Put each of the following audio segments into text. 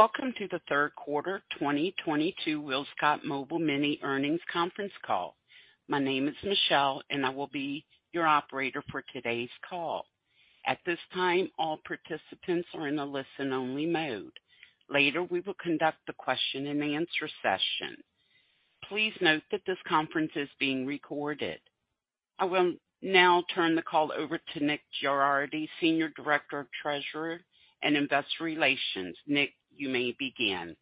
Welcome to the third quarter 2022 WillScot Mobile Mini earnings conference call. My name is Michelle, and I will be your operator for today's call. At this time, all participants are in a listen-only mode. Later, we will conduct a question-and-answer session. Please note that this conference is being recorded. I will now turn the call over to Nick Girardi, Senior Director of Treasury and Investor Relations. Nick, you may begin.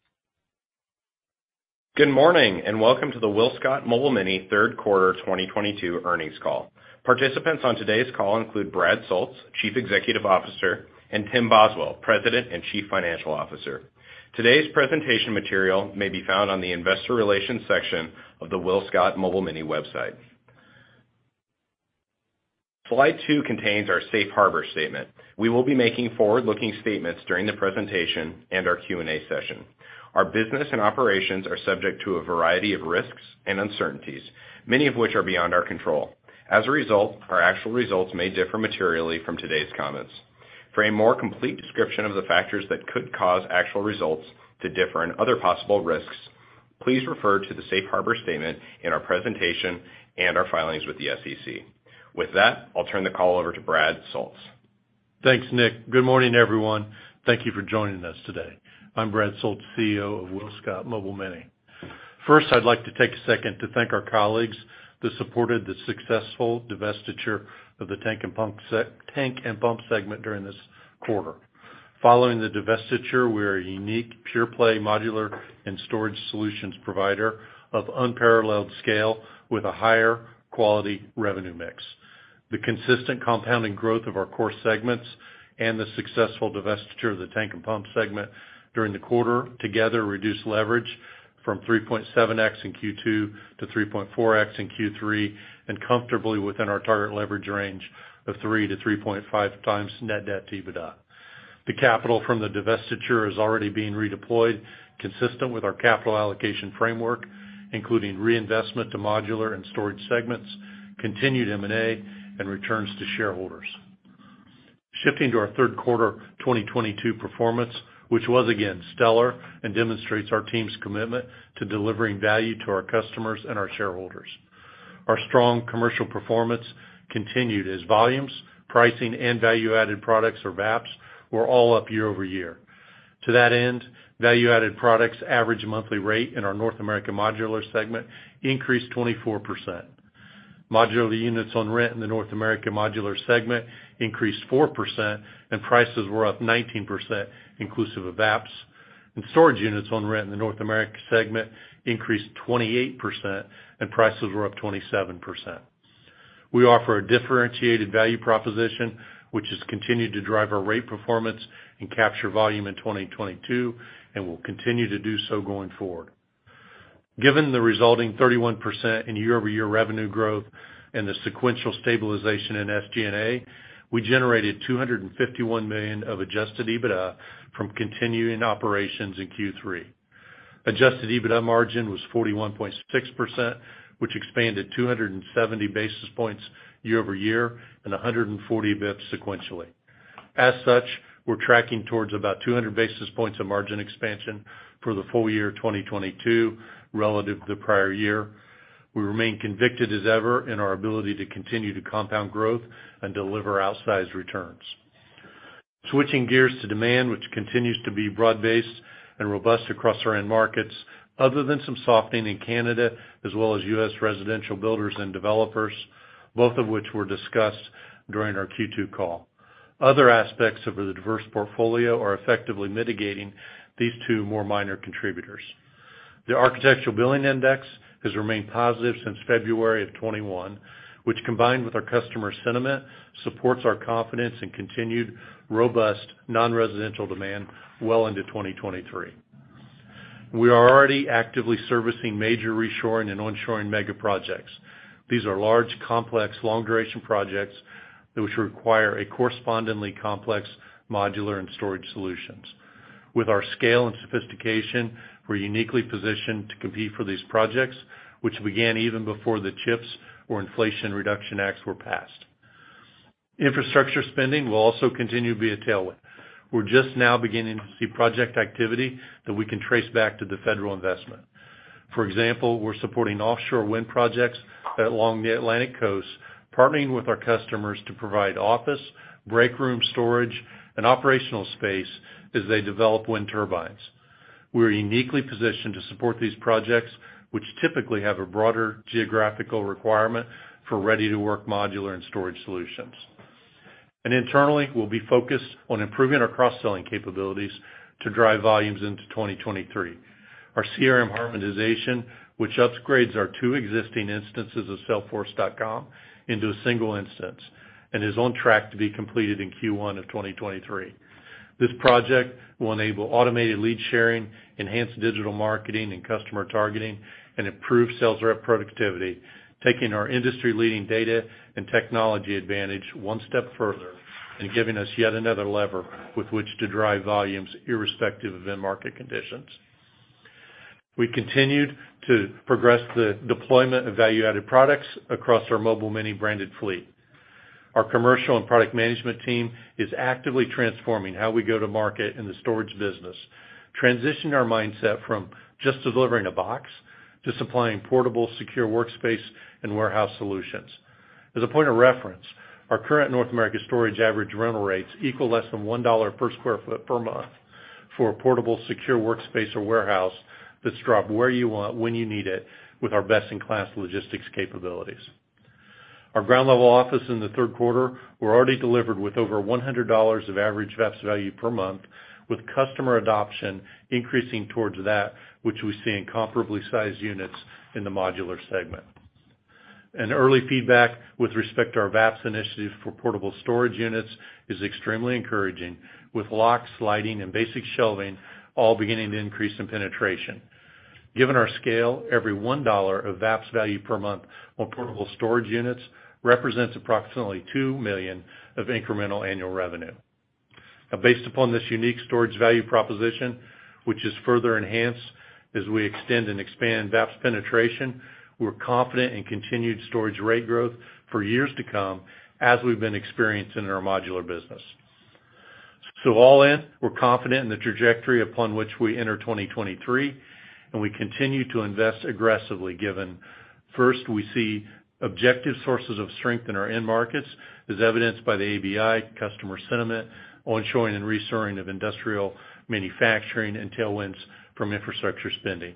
Good morning, and welcome to the WillScot Mobile Mini third quarter 2022 earnings call. Participants on today's call include Brad Soultz, Chief Executive Officer, and Tim Boswell, President and Chief Financial Officer. Today's presentation material may be found on the investor relations section of the WillScot Mobile Mini website. Slide 2 contains our safe harbor statement. We will be making forward-looking statements during the presentation and our Q&A session. Our business and operations are subject to a variety of risks and uncertainties, many of which are beyond our control. As a result, our actual results may differ materially from today's comments. For a more complete description of the factors that could cause actual results to differ and other possible risks, please refer to the safe harbor statement in our presentation and our filings with the SEC. With that, I'll turn the call over to Brad Soultz. Thanks, Nick. Good morning, everyone. Thank you for joining us today. I'm Brad Soultz, CEO of WillScot Mobile Mini. First, I'd like to take a second to thank our colleagues that supported the successful divestiture of the Tank & Pump segment during this quarter. Following the divestiture, we're a unique pure-play modular and storage solutions provider of unparalleled scale with a higher quality revenue mix. The consistent compounding growth of our core segments and the successful divestiture of the Tank & Pump segment during the quarter together reduced leverage from 3.7x in Q2 to 3.4x in Q3 and comfortably within our target leverage range of 3 to 3.5 times net debt to EBITDA. The capital from the divestiture is already being redeployed consistent with our capital allocation framework, including reinvestment to modular and storage segments, continued M&A, and returns to shareholders. Shifting to our third quarter 2022 performance, which was again stellar and demonstrates our team's commitment to delivering value to our customers and our shareholders. Our strong commercial performance continued as volumes, pricing, and value-added products or VAPs were all up year-over-year. To that end, value-added products average monthly rate in our North American modular segment increased 24%. Modular units on rent in the North American modular segment increased 4% and prices were up 19% inclusive of VAPs. Storage units on rent in the North America segment increased 28% and prices were up 27%. We offer a differentiated value proposition, which has continued to drive our rate performance and capture volume in 2022 and will continue to do so going forward. Given the resulting 31% year-over-year revenue growth and the sequential stabilization in SG&A, we generated $251 million of adjusted EBITDA from continuing operations in Q3. Adjusted EBITDA margin was 41.6%, which expanded 270 basis points year-over-year and 140 basis points sequentially. As such, we're tracking towards about 200 basis points of margin expansion for the full year 2022 relative to the prior year. We remain convicted as ever in our ability to continue to compound growth and deliver outsized returns. Switching gears to demand, which continues to be broad-based and robust across our end markets other than some softening in Canada as well as U.S. residential builders and developers, both of which were discussed during our Q2 call. Other aspects of the diverse portfolio are effectively mitigating these two more minor contributors. The Architectural Billings Index has remained positive since February 2021, which combined with our customer sentiment, supports our confidence in continued robust non-residential demand well into 2023. We are already actively servicing major reshoring and onshoring mega projects. These are large, complex, long-duration projects which require a correspondingly complex modular and storage solutions. With our scale and sophistication, we're uniquely positioned to compete for these projects, which began even before the CHIPS Act or Inflation Reduction Act were passed. Infrastructure spending will also continue to be a tailwind. We're just now beginning to see project activity that we can trace back to the federal investment. For example, we're supporting offshore wind projects along the Atlantic coast, partnering with our customers to provide office, break room storage, and operational space as they develop wind turbines. We're uniquely positioned to support these projects, which typically have a broader geographical requirement for ready-to-work modular and storage solutions. Internally, we'll be focused on improving our cross-selling capabilities to drive volumes into 2023. Our CRM harmonization, which upgrades our two existing instances of Salesforce.com into a single instance and is on track to be completed in Q1 of 2023. This project will enable automated lead sharing, enhanced digital marketing and customer targeting, and improve sales rep productivity, taking our industry-leading data and technology advantage one step further and giving us yet another lever with which to drive volumes irrespective of end market conditions. We continued to progress the deployment of value-added products across our Mobile Mini branded fleet. Our commercial and product management team is actively transforming how we go to market in the storage business, transitioning our mindset from just delivering a box to supplying portable, secure workspace and warehouse solutions. As a point of reference, our current North America storage average rental rates equal less than $1 per sq ft per month for a portable, secure workspace or warehouse that's dropped where you want, when you need it, with our best-in-class logistics capabilities. Our ground-level office in the third quarter were already delivered with over $100 of average VAPS value per month, with customer adoption increasing towards that which we see in comparably sized units in the modular segment. Early feedback with respect to our VAPS initiative for portable storage units is extremely encouraging, with locks, lighting, and basic shelving all beginning to increase in penetration. Given our scale, every $1 of VAPS value per month on portable storage units represents approximately $2 million of incremental annual revenue. Now based upon this unique storage value proposition, which is further enhanced as we extend and expand VAPS penetration, we're confident in continued storage rate growth for years to come as we've been experiencing in our modular business. All in, we're confident in the trajectory upon which we enter 2023, and we continue to invest aggressively given, first, we see objective sources of strength in our end markets, as evidenced by the ABI customer sentiment, onshoring and reshoring of industrial manufacturing, and tailwinds from infrastructure spending.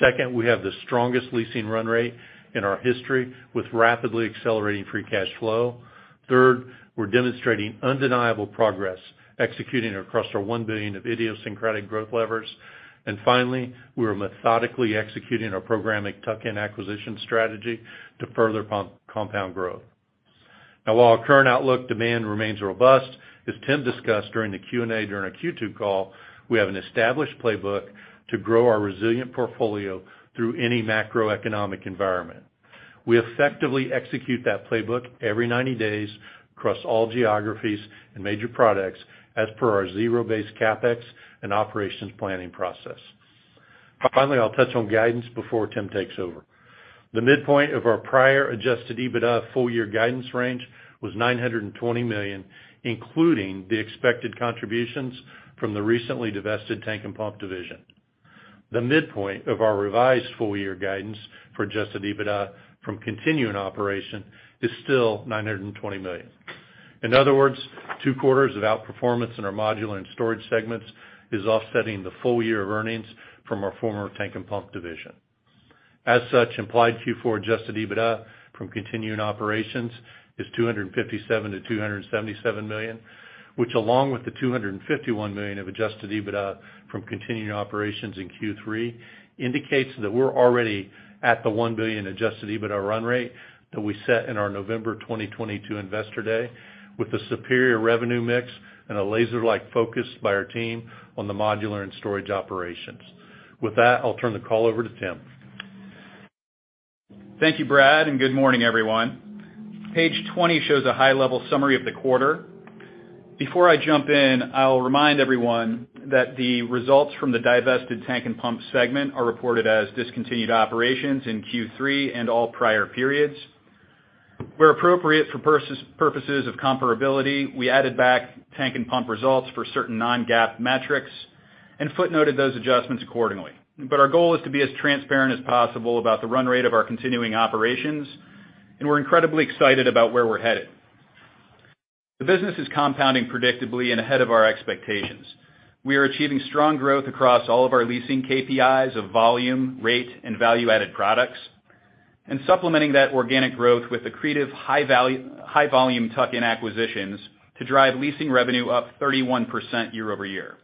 Second, we have the strongest leasing run rate in our history, with rapidly accelerating free cash flow. Third, we're demonstrating undeniable progress executing across our $1 billion of idiosyncratic growth levers. And finally, we are methodically executing our programmatic tuck-in acquisition strategy to further compound growth. Now while our current outlook, demand remains robust, as Tim discussed during the Q&A during our Q2 call, we have an established playbook to grow our resilient portfolio through any macroeconomic environment. We effectively execute that playbook every 90 days across all geographies and major products as per our zero-based CapEx and operations planning process. Finally, I'll touch on guidance before Tim takes over. The midpoint of our prior adjusted EBITDA full-year guidance range was $920 million, including the expected contributions from the recently divested Tank & Pump division. The midpoint of our revised full-year guidance for adjusted EBITDA from continuing operations is still $920 million. In other words, 2 quarters of outperformance in our modular and storage segments is offsetting the full year of earnings from our former Tank & Pump division. As such, implied Q4 adjusted EBITDA from continuing operations is $257 million to $277 million, which along with the $251 million of adjusted EBITDA from continuing operations in Q3, indicates that we're already at the $1 billion adjusted EBITDA run rate that we set in our November 2022 Investor Day, with a superior revenue mix and a laser-like focus by our team on the modular and storage operations. With that, I'll turn the call over to Tim. Thank you, Brad, and good morning, everyone. Page 20 shows a high-level summary of the quarter. Before I jump in, I'll remind everyone that the results from the divested Tank & Pump segment are reported as discontinued operations in Q3 and all prior periods. Where appropriate for purposes of comparability, we added back Tank & Pump results for certain non-GAAP metrics and footnoted those adjustments accordingly. Our goal is to be as transparent as possible about the run rate of our continuing operations, and we're incredibly excited about where we're headed. The business is compounding predictably and ahead of our expectations. We are achieving strong growth across all of our leasing KPIs of volume, rate, and value-added products, and supplementing that organic growth with accretive high volume tuck-in acquisitions to drive leasing revenue up 31% year-over-year.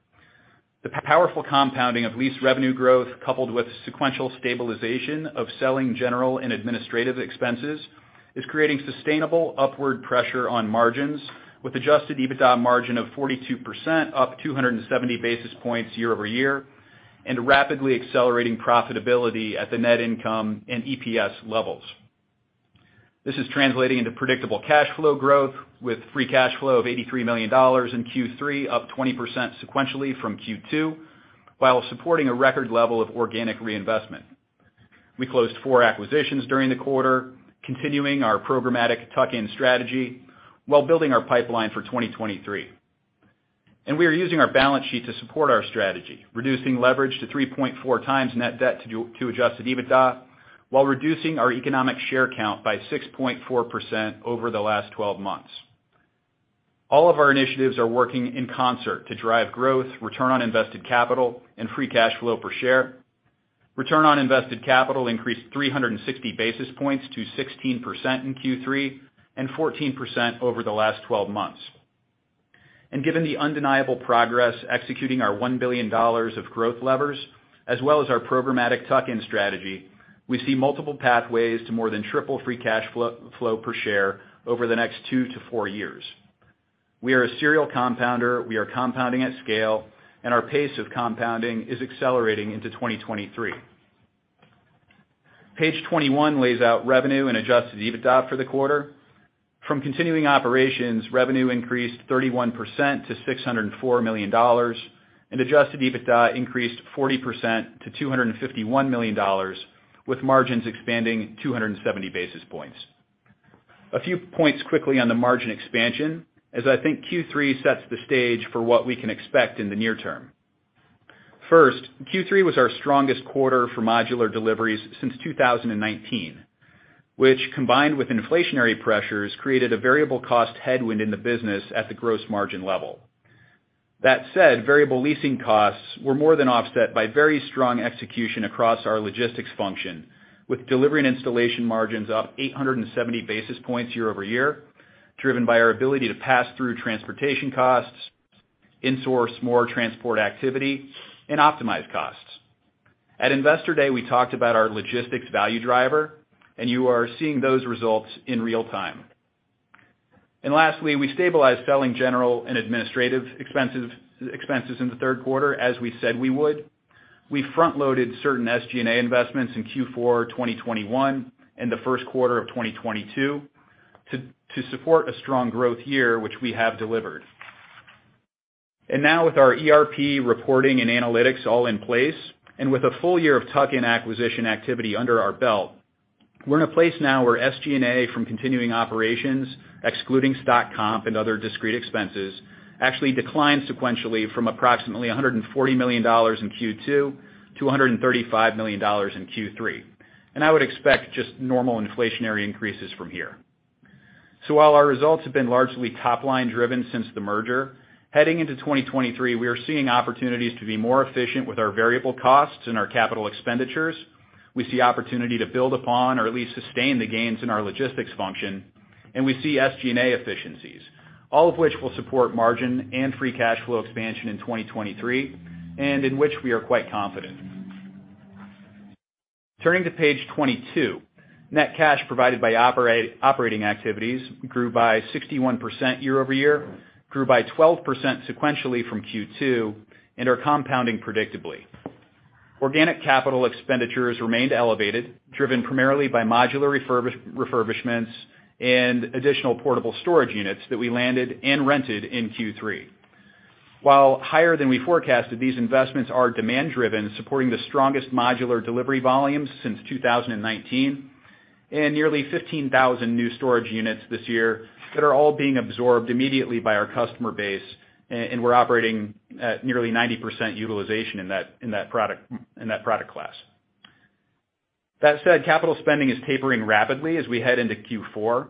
The powerful compounding of lease revenue growth, coupled with sequential stabilization of selling, general, and administrative expenses, is creating sustainable upward pressure on margins with adjusted EBITDA margin of 42%, up 270 basis points year-over-year, and rapidly accelerating profitability at the net income and EPS levels. This is translating into predictable cash flow growth with free cash flow of $83 million in Q3, up 20% sequentially from Q2, while supporting a record level of organic reinvestment. We closed 4 acquisitions during the quarter, continuing our programmatic tuck-in strategy while building our pipeline for 2023. We are using our balance sheet to support our strategy, reducing leverage to 3.4x net debt to adjusted EBITDA, while reducing our economic share count by 6.4% over the last 12 months. All of our initiatives are working in concert to drive growth, return on invested capital, and free cash flow per share. Return on invested capital increased 360 basis points to 16% in Q3, and 14% over the last twelve months. Given the undeniable progress executing our $1 billion of growth levers, as well as our programmatic tuck-in strategy, we see multiple pathways to more than triple free cash flow per share over the next 2-4 years. We are a serial compounder, we are compounding at scale, and our pace of compounding is accelerating into 2023. Page 21 lays out revenue and adjusted EBITDA for the quarter. From continuing operations, revenue increased 31% to $604 million and adjusted EBITDA increased 40% to $251 million, with margins expanding 270 basis points. A few points quickly on the margin expansion, as I think Q3 sets the stage for what we can expect in the near term. First, Q3 was our strongest quarter for modular deliveries since 2019, which combined with inflationary pressures, created a variable cost headwind in the business at the gross margin level. That said, variable leasing costs were more than offset by very strong execution across our logistics function, with delivery and installation margins up 870 basis points year-over-year, driven by our ability to pass through transportation costs, insource more transport activity and optimize costs. At Investor Day, we talked about our logistics value driver, and you are seeing those results in real time. Lastly, we stabilized selling general and administrative expenses in the third quarter, as we said we would. We front-loaded certain SG&A investments in Q4 2021 and the first quarter of 2022 to support a strong growth year, which we have delivered. Now with our ERP reporting and analytics all in place, and with a full year of tuck-in acquisition activity under our belt, we're in a place now where SG&A from continuing operations, excluding stock comp and other discrete expenses, actually declined sequentially from approximately $140 million in Q2 to $135 million in Q3. I would expect just normal inflationary increases from here. While our results have been largely top-line driven since the merger, heading into 2023, we are seeing opportunities to be more efficient with our variable costs and our capital expenditures. We see opportunity to build upon or at least sustain the gains in our logistics function, and we see SG&A efficiencies, all of which will support margin and free cash flow expansion in 2023, and in which we are quite confident. Turning to page 22. Net cash provided by operating activities grew by 61% year-over-year, grew by 12% sequentially from Q2, and are compounding predictably. Organic capital expenditures remained elevated, driven primarily by modular refurbishments and additional portable storage units that we landed and rented in Q3. While higher than we forecasted, these investments are demand driven, supporting the strongest modular delivery volumes since 2019, and nearly 15,000 new storage units this year that are all being absorbed immediately by our customer base, and we're operating at nearly 90% utilization in that product class. That said, capital spending is tapering rapidly as we head into Q4.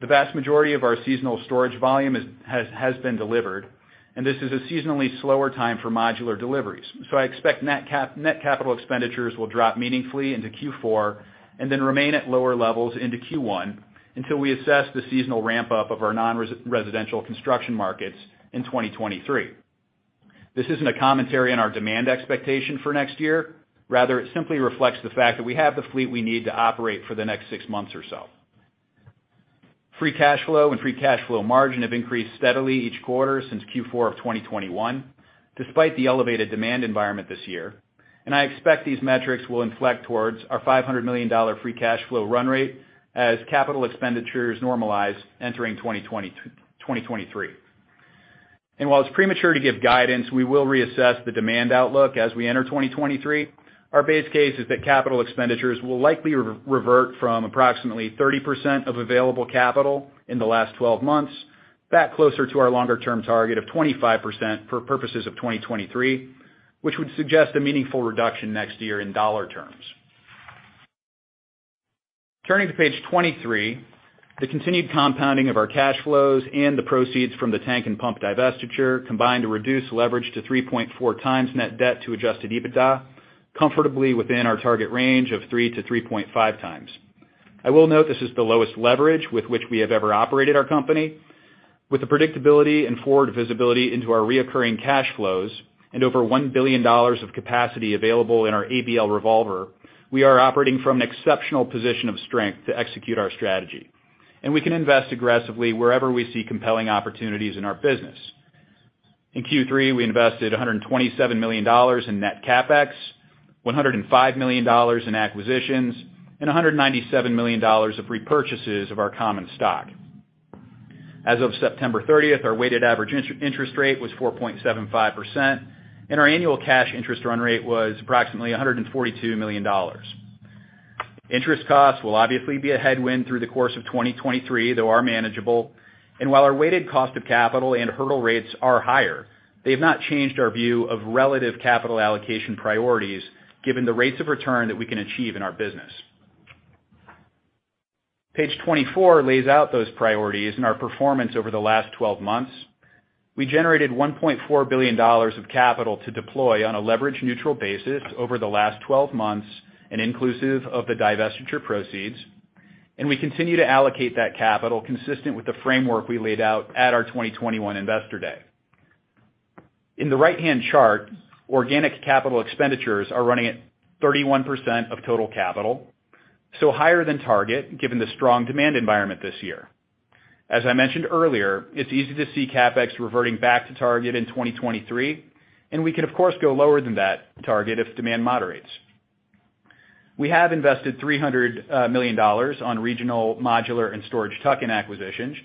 The vast majority of our seasonal storage volume has been delivered, and this is a seasonally slower time for modular deliveries. I expect net capital expenditures will drop meaningfully into Q4 and then remain at lower levels into Q1 until we assess the seasonal ramp-up of our nonresidential construction markets in 2023. This isn't a commentary on our demand expectation for next year. Rather, it simply reflects the fact that we have the fleet we need to operate for the next six months or so. Free cash flow and free cash flow margin have increased steadily each quarter since Q4 of 2021, despite the elevated demand environment this year. I expect these metrics will inflect towards our $500 million free cash flow run rate as capital expenditures normalize entering 2023. While it's premature to give guidance, we will reassess the demand outlook as we enter 2023. Our base case is that capital expenditures will likely revert from approximately 30% of available capital in the last 12 months back closer to our longer-term target of 25% for purposes of 2023, which would suggest a meaningful reduction next year in dollar terms. Turning to page 23, the continued compounding of our cash flows and the proceeds from the Tank & Pump divestiture combined to reduce leverage to 3.4 times net debt to adjusted EBITDA, comfortably within our target range of 3 to 3.5 times. I will note this is the lowest leverage with which we have ever operated our company. With the predictability and forward visibility into our recurring cash flows and over $1 billion of capacity available in our ABL revolver, we are operating from an exceptional position of strength to execute our strategy, and we can invest aggressively wherever we see compelling opportunities in our business. In Q3, we invested $127 million in net CapEx, $105 million in acquisitions, and $197 million of repurchases of our common stock. As of September 30, our weighted average all-in interest rate was 4.75%, and our annual cash interest run rate was approximately $142 million. Interest costs will obviously be a headwind through the course of 2023, though are manageable. While our weighted cost of capital and hurdle rates are higher, they have not changed our view of relative capital allocation priorities given the rates of return that we can achieve in our business. Page 24 lays out those priorities and our performance over the last 12 months. We generated $1.4 billion of capital to deploy on a leverage-neutral basis over the last 12 months and inclusive of the divestiture proceeds, and we continue to allocate that capital consistent with the framework we laid out at our 2021 Investor Day. In the right-hand chart, organic capital expenditures are running at 31% of total capital, so higher than target, given the strong demand environment this year. As I mentioned earlier, it's easy to see CapEx reverting back to target in 2023, and we can of course go lower than that target if demand moderates. We have invested $300 million on regional modular and storage tuck-in acquisitions,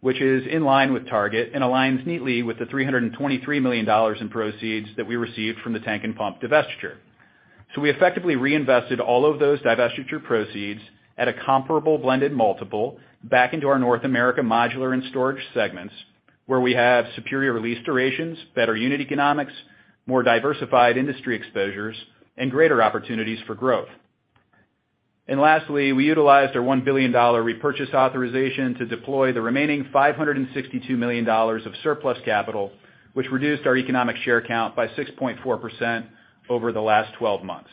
which is in line with target and aligns neatly with the $323 million in proceeds that we received from the Tank & Pump divestiture. We effectively reinvested all of those divestiture proceeds at a comparable blended multiple back into our North America Modular and Storage segments, where we have superior lease durations, better unit economics, more diversified industry exposures, and greater opportunities for growth. Lastly, we utilized our $1 billion repurchase authorization to deploy the remaining $562 million of surplus capital, which reduced our economic share count by 6.4% over the last 12 months.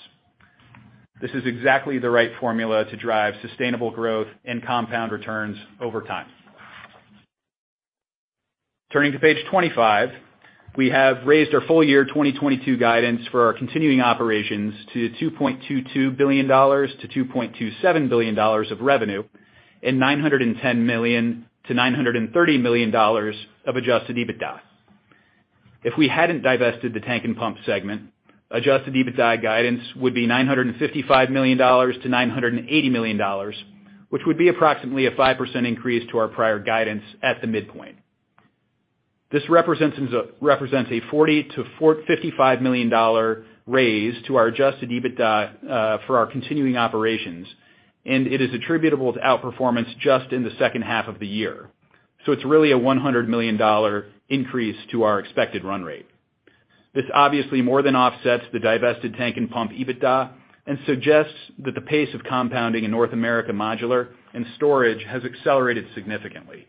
This is exactly the right formula to drive sustainable growth and compound returns over time. Turning to page 25, we have raised our full year 2022 guidance for our continuing operations to $2.22 billion to $2.27 billion of revenue and $910 million to $930 million of adjusted EBITDA. If we hadn't divested the Tank & Pump segment, adjusted EBITDA guidance would be $955 million to $980 million, which would be approximately a 5% increase to our prior guidance at the midpoint. This represents a $40 to $55 million raise to our adjusted EBITDA for our continuing operations, and it is attributable to outperformance just in the second half of the year. It's really a $100 million increase to our expected run rate. This obviously more than offsets the divested Tank & Pump EBITDA and suggests that the pace of compounding in North America Modular and Storage has accelerated significantly.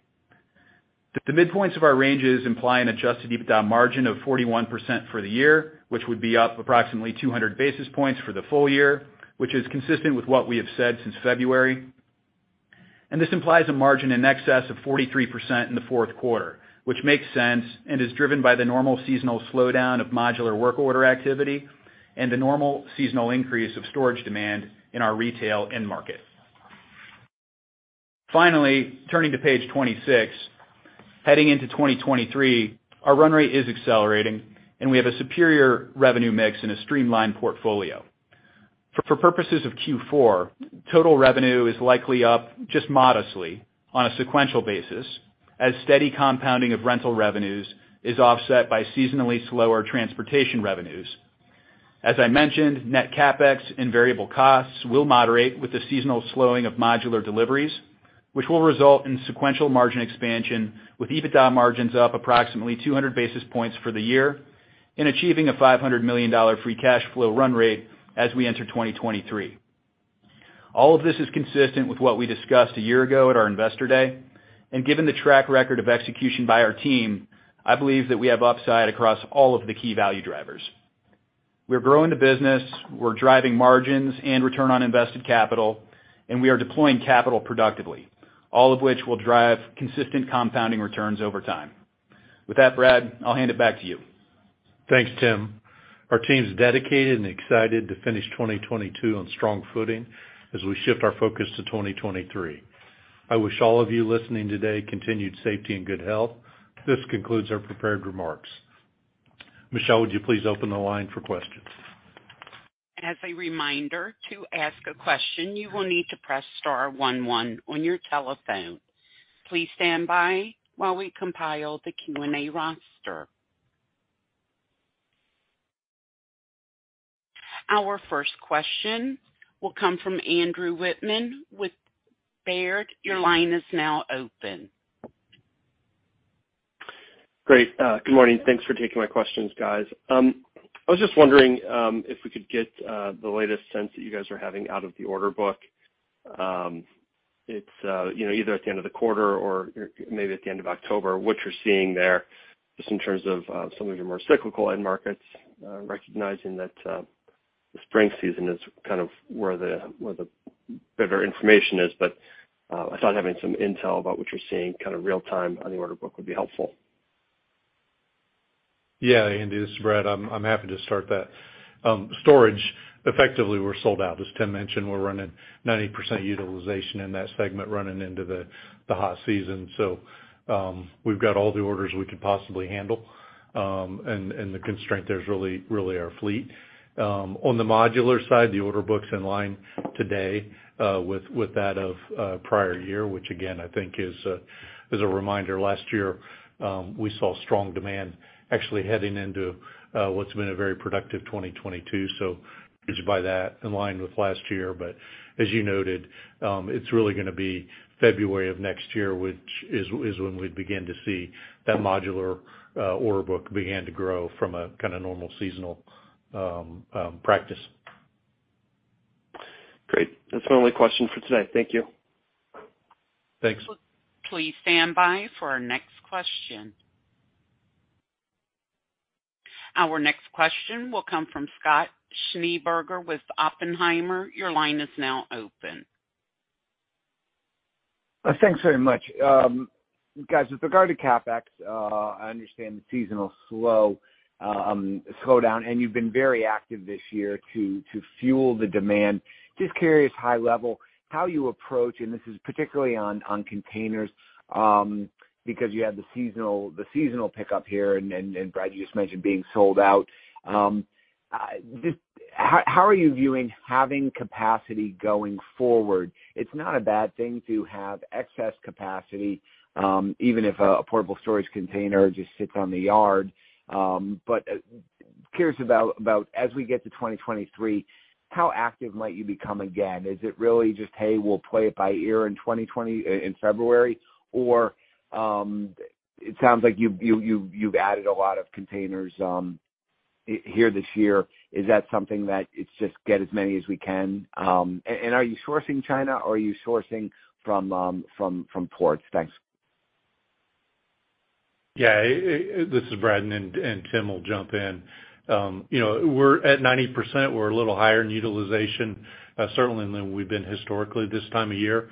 The midpoints of our ranges imply an adjusted EBITDA margin of 41% for the year, which would be up approximately 200 basis points for the full year, which is consistent with what we have said since February. This implies a margin in excess of 43% in the fourth quarter, which makes sense and is driven by the normal seasonal slowdown of modular work order activity and the normal seasonal increase of storage demand in our retail end market. Finally, turning to page 26, heading into 2023, our run rate is accelerating, and we have a superior revenue mix and a streamlined portfolio. For purposes of Q4, total revenue is likely up just modestly on a sequential basis as steady compounding of rental revenues is offset by seasonally slower transportation revenues. As I mentioned, net CapEx and variable costs will moderate with the seasonal slowing of modular deliveries, which will result in sequential margin expansion with EBITDA margins up approximately 200 basis points for the year and achieving a $500 million free cash flow run rate as we enter 2023. All of this is consistent with what we discussed a year ago at our Investor Day. Given the track record of execution by our team, I believe that we have upside across all of the key value drivers. We're growing the business, we're driving margins and return on invested capital, and we are deploying capital productively, all of which will drive consistent compounding returns over time. With that, Brad, I'll hand it back to you. Thanks, Tim. Our team's dedicated and excited to finish 2022 on strong footing as we shift our focus to 2023. I wish all of you listening today continued safety and good health. This concludes our prepared remarks. Michelle, would you please open the line for questions? As a reminder, to ask a question, you will need to press star one one on your telephone. Please stand by while we compile the Q&A roster. Our first question will come from Andrew Wittmann with Baird. Your line is now open. Great. Good morning. Thanks for taking my questions, guys. I was just wondering if we could get the latest sense that you guys are having out of the order book, you know, either at the end of the quarter or maybe at the end of October, what you're seeing there, just in terms of some of your more cyclical end markets, recognizing that the spring season is kind of where the better information is. I thought having some intel about what you're seeing kind of real time on the order book would be helpful. Yeah, Andrew, this is Brad. I'm happy to start that. Storage, effectively, we're sold out. As Tim mentioned, we're running 90% utilization in that segment running into the hot season. We've got all the orders we could possibly handle, and the constraint there is really our fleet. On the modular side, the order book's in line today with that of prior year, which again I think is as a reminder, last year we saw strong demand actually heading into what's been a very productive 2022, by that, in line with last year. As you noted, it's really gonna be February of next year, which is when we begin to see that modular order book begin to grow from a kinda normal seasonal practice. Great. That's my only question for today. Thank you. Thanks. Please stand by for our next question. Our next question will come from Scott Schneeberger with Oppenheimer. Your line is now open. Thanks very much. Guys, with regard to CapEx, I understand the seasonal slow down, and you've been very active this year to fuel the demand. Just curious high level how you approach, and this is particularly on containers, because you had the seasonal pickup here, and Brad, you just mentioned being sold out. Just how are you viewing having capacity going forward? It's not a bad thing to have excess capacity, even if a portable storage container just sits on the yard. Curious about as we get to 2023, how active might you become again? Is it really just, hey, we'll play it by ear in February? Or, it sounds like you've added a lot of containers here this year. Is that something that's just to get as many as we can? Are you sourcing from China or are you sourcing from ports? Thanks. Yeah, this is Brad, and Tim will jump in. You know, we're at 90%, we're a little higher in utilization, certainly than we've been historically this time of year.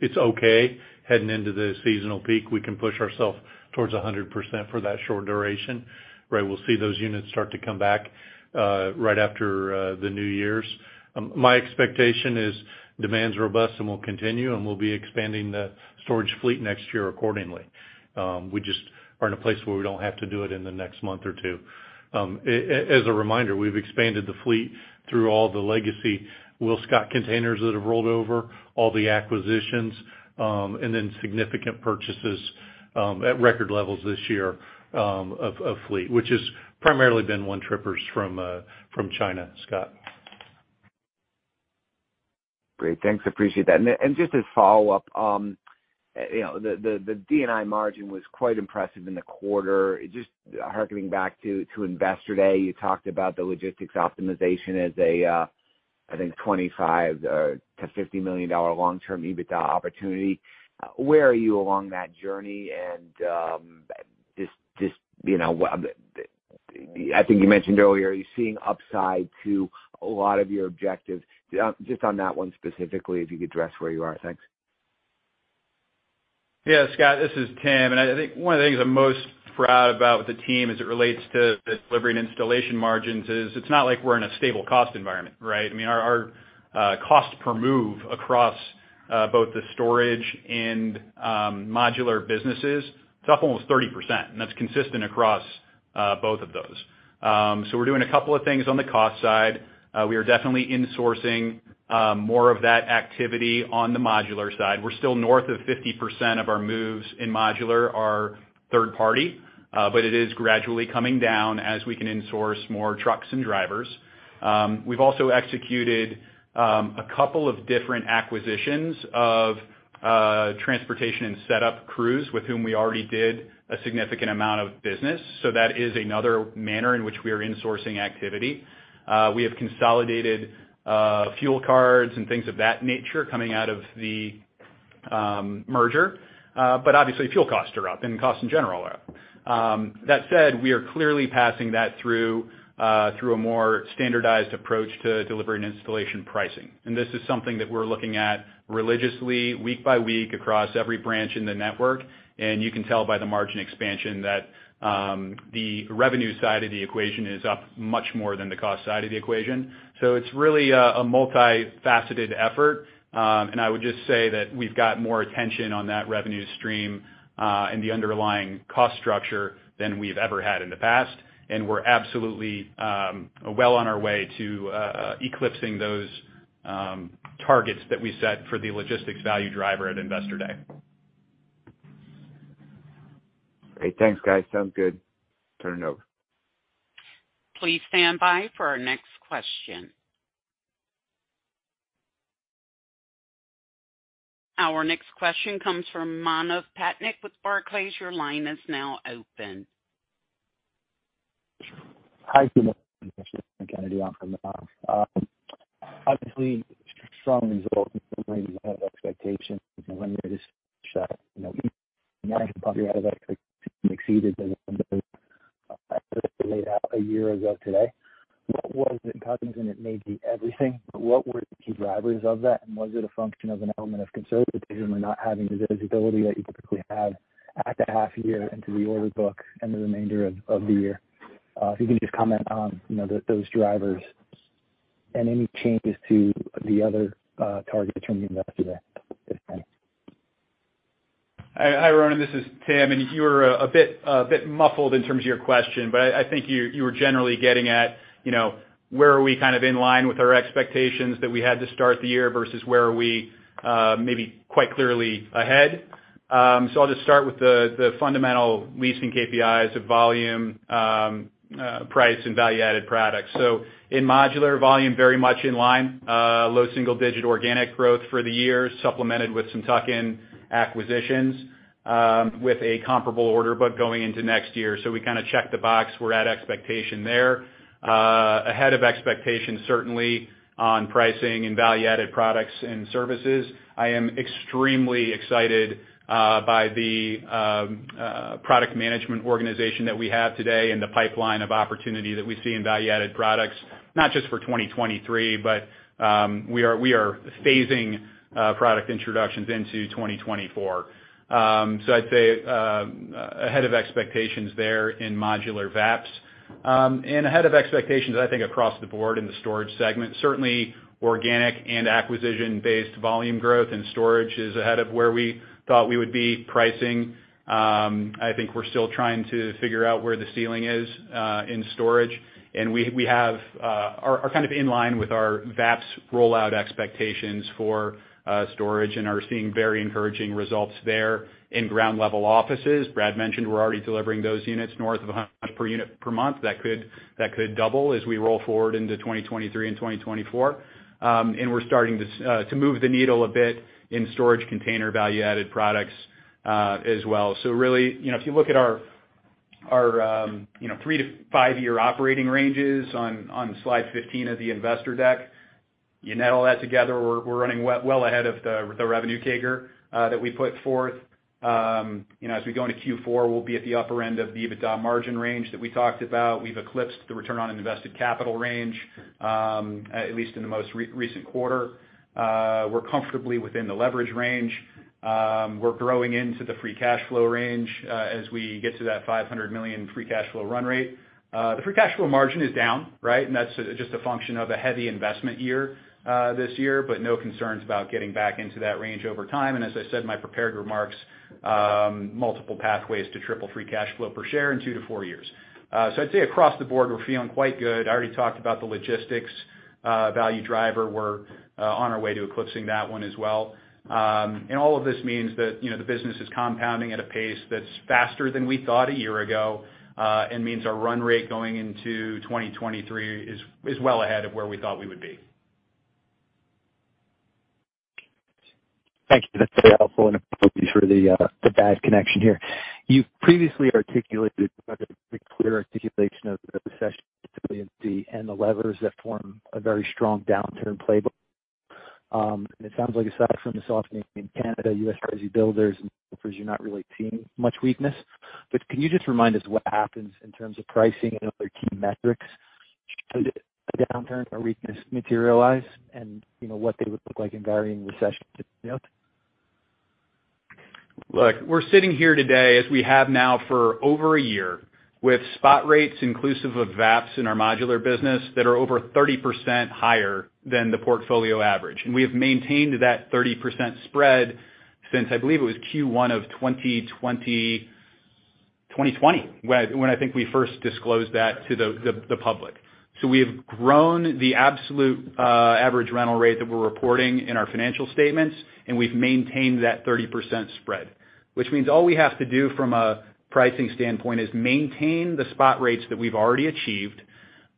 It's okay. Heading into the seasonal peak, we can push ourselves towards 100% for that short duration, right? We'll see those units start to come back, right after the New Year's. My expectation is demand's robust, and we'll continue, and we'll be expanding the storage fleet next year accordingly. We just are in a place where we don't have to do it in the next month or two. As a reminder, we've expanded the fleet through all the legacy WillScot containers that have rolled over, all the acquisitions, and then significant purchases at record levels this year of fleet, which has primarily been one-trippers from China. Scott. Great. Thanks. Appreciate that. Just as a follow-up, you know, the D&I margin was quite impressive in the quarter. Just hearkening back to Investor Day, you talked about the logistics optimization as a, I think $25 to $50 million long-term EBITDA opportunity. Where are you along that journey? Just, you know, I think you mentioned earlier you're seeing upside to a lot of your objectives. Just on that one specifically, if you could address where you are. Thanks. Yeah, Scott, this is Tim, and I think one of the things I'm most proud about with the team as it relates to the delivery and installation margins is it's not like we're in a stable cost environment, right? I mean, our cost per move across both the storage and modular businesses, it's up almost 30%, and that's consistent across both of those. We're doing a couple of things on the cost side. We are definitely insourcing more of that activity on the modular side. We're still north of 50% of our moves in modular are third party, but it is gradually coming down as we can in-source more trucks and drivers. We've also executed a couple of different acquisitions of transportation and setup crews with whom we already did a significant amount of business. That is another manner in which we are insourcing activity. We have consolidated fuel cards and things of that nature coming out of the merger. Obviously, fuel costs are up and costs in general are up. That said, we are clearly passing that through a more standardized approach to delivery and installation pricing. This is something that we're looking at religiously week by week across every branch in the network. You can tell by the margin expansion that the revenue side of the equation is up much more than the cost side of the equation. It's really a multifaceted effort. I would just say that we've got more attention on that revenue stream and the underlying cost structure than we've ever had in the past. We're absolutely well on our way to eclipsing those targets that we set for the logistics value driver at Investor Day. Great. Thanks, guys. Sound good. Turn it over. Please stand by for our next question. Our next question comes from Manav Patnaik with Barclays. Your line is now open. Hi, good morning. Obviously, strong results, exceeding expectations laid out a year ago today. What was it, and it may be everything, but what were the key drivers of that? Was it a function of an element of conservatism or not having the visibility that you typically have at the half year into the order book and the remainder of the year? If you can just comment on, you know, those drivers and any changes to the other targets from the Investor Day. Thanks. Hi, Manav, this is Tim, and you were a bit muffled in terms of your question, but I think you were generally getting at, you know, where are we kind of in line with our expectations that we had to start the year versus where are we, maybe quite clearly ahead. I'll just start with the fundamental leasing KPIs of volume, price, and value-added products. In modular, volume very much in line, low single digit organic growth for the year, supplemented with some tuck-in acquisitions, with a comparable order book going into next year. We kind of checked the box. We're at expectation there. Ahead of expectations, certainly on pricing and value-added products and services. I am extremely excited by the product management organization that we have today and the pipeline of opportunity that we see in value-added products, not just for 2023, but we are phasing product introductions into 2024. I'd say ahead of expectations there in modular VAPS. Ahead of expectations, I think across the board in the storage segment, certainly organic and acquisition-based volume growth and storage is ahead of where we thought we would be pricing. I think we're still trying to figure out where the ceiling is in storage. We are kind of in line with our VAPS rollout expectations for storage and are seeing very encouraging results there. In ground level offices, Brad mentioned we're already delivering those units north of 100 per unit per month. That could double as we roll forward into 2023 and 2024. We're starting to move the needle a bit in storage container value-added products as well. Really, you know, if you look at our you know 3- to 5-year operating ranges on Slide 15 of the investor deck, you net all that together, we're running well ahead of the revenue CAGR that we put forth. You know, as we go into Q4, we'll be at the upper end of the EBITDA margin range that we talked about. We've eclipsed the return on invested capital range at least in the most recent quarter. We're comfortably within the leverage range. We're growing into the free cash flow range as we get to that $500 million free cash flow run rate. The free cash flow margin is down, right? That's just a function of a heavy investment year this year, but no concerns about getting back into that range over time. As I said in my prepared remarks, multiple pathways to triple free cash flow per share in 2-4 years. I'd say across the board, we're feeling quite good. I already talked about the logistics value driver. We're on our way to eclipsing that one as well. All of this means that, you know, the business is compounding at a pace that's faster than we thought a year ago, and means our run rate going into 2023 is well ahead of where we thought we would be. Thank you. That's very helpful, and apologies for the bad connection here. You've previously articulated a clear articulation of the recession and the levers that form a very strong downturn playbook. It sounds like aside from the softening in Canada, U.S. pricing, builders and you're not really seeing much weakness. Can you just remind us what happens in terms of pricing and other key metrics should a downturn or weakness materialize, and, you know, what they would look like in varying recessions? Look, we're sitting here today, as we have now for over a year, with spot rates inclusive of VAPS in our modular business that are over 30% higher than the portfolio average. We have maintained that 30% spread since, I believe it was Q1 of 2020, when I think we first disclosed that to the public. We have grown the absolute average rental rate that we're reporting in our financial statements, and we've maintained that 30% spread. Which means all we have to do from a pricing standpoint is maintain the spot rates that we've already achieved.